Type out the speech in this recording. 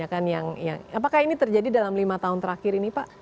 jadi kebanyakan yang apakah ini terjadi dalam lima tahun terakhir ini pak